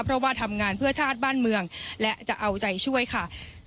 เพราะว่าทำงานเพื่อชาติบ้านเมืองและจะเอาใจช่วยค่ะ